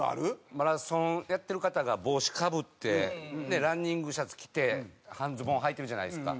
マラソンやってる方が帽子かぶってランニングシャツ着て半ズボンはいてるじゃないですか。